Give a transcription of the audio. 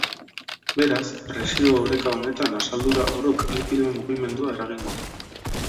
Beraz, presio oreka honetan asaldura orok likidoen mugimendua eragingo du.